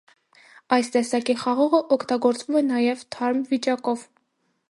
Այս տեսակի խաղողը օգտագործվում է նաև թարմ վիճակով։